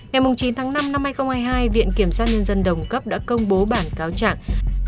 ngày chín tháng năm năm hai nghìn hai mươi hai viện kiểm sát nhân dân đồng cấp đã công bố bản cáo trạng